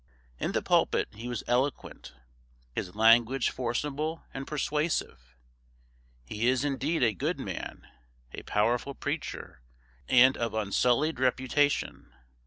In the pulpit he was eloquent; his language forcible and persuasive. He is indeed a good man, a powerful preacher, and of unsullied reputation.